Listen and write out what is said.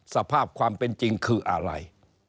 สภาพความเป็นจริงคืออะไร